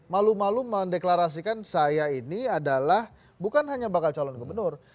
malu malu mendeklarasikan saya ini adalah bukan hanya bakal calon gubernur